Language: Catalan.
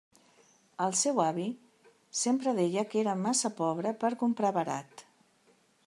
El seu avi sempre deia que era massa pobre per comprar barat.